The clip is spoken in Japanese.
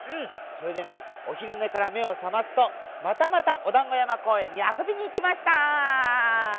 それでねおひるねからめをさますとまたまたおだんごやまこうえんにあそびにいきました。